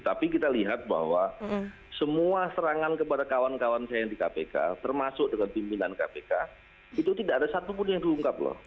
tapi kita lihat bahwa semua serangan kepada kawan kawan saya yang di kpk termasuk dengan pimpinan kpk itu tidak ada satupun yang diungkap loh